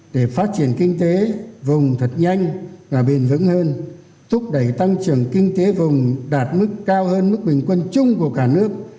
để phát triển kinh tế vùng thật nhanh và bền vững hơn thúc đẩy tăng trưởng kinh tế vùng đạt mức cao hơn mức bình quân chung của cả nước